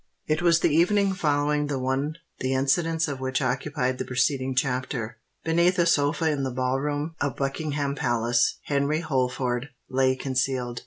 It was the evening following the one the incidents of which occupied the preceding chapter. Beneath a sofa in the Ball Room of Buckingham Palace, Henry Holford lay concealed.